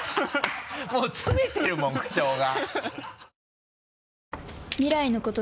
もう詰めてるもん口調が。